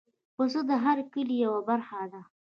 پسه د هر کلي یو برخه ده.